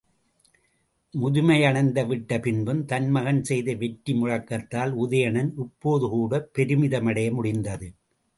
முதுமையடைந்து விட்ட பின்பும், தன் மகன் செய்த வெற்றி முழக்கத்தால் உதயணன் இப்போதுகூடப் பெருமிதமடைய முடிந்தது.